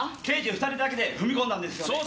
刑事２人だけで踏み込んだんですよね！？